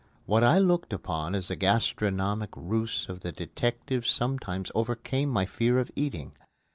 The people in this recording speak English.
What I looked upon as a gastronomic ruse of the detectives sometimes overcame my fear of eating.